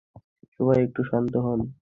সবাই একটু শান্ত হোন।